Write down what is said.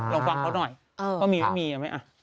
ลองฟังเขาหน่อยว่ามีไม่มีเอาไหม